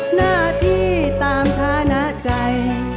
หน้าที่ตามฐานะใจ